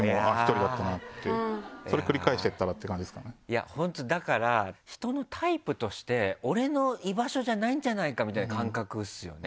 いや本当だから人のタイプとして俺の居場所じゃないんじゃないかみたいな感覚ですよね。